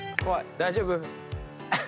大丈夫？